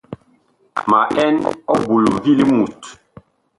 Ma ɛn ɔbul vi limut.